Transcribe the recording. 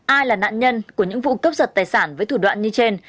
ai là nạn nhân của những vụ cướp giật tài sản với thủ đoạn như trên